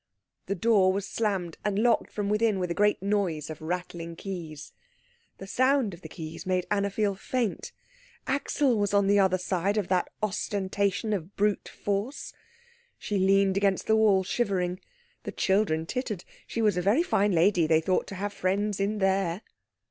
The door was slammed, and locked from within with a great noise of rattling keys. The sound of the keys made Anna feel faint; Axel was on the other side of that ostentation of brute force. She leaned against the wall shivering. The children tittered; she was a very fine lady, they thought, to have friends in there.